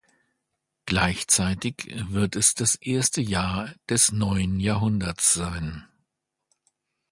Gleichzeitig wird es das erste Jahr des neuen Jahrhunderts sein.